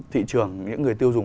thị trường những người tiêu dùng